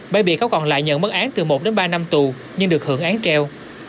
bài bị cáo còn lại nhận mất án từ một đến ba năm tù nhưng được hưởng án treo